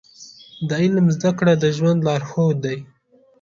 د علم زده کړه د ژوند لارښود دی.